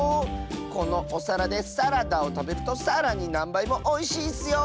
このおさらで「サラ」ダをたべると「さら」になんばいもおいしいッスよ！